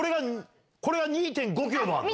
これが２．５ｋｍもあんの？